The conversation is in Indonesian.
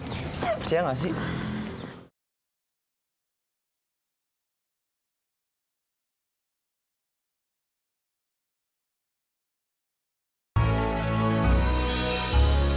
percaya gak sih